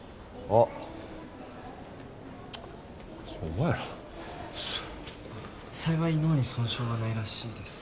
あっお前ら。幸い脳に損傷はないらしいです。